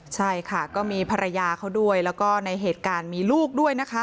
ใช่ค่ะก็มีภรรยาเขาด้วยแล้วก็ในเหตุการณ์มีลูกด้วยนะคะ